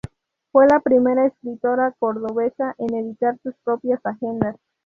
Fue la primera escritora cordobesa en editar sus propias agendas.